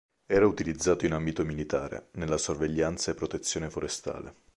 Era utilizzato in ambito militare, nella sorveglianza e protezione forestale.